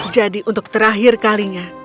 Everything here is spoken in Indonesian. jadi untuk terakhir kalinya